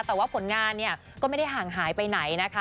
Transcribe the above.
แต่ว่าผลงานเนี่ยก็ไม่ได้ห่างหายไปไหนนะคะ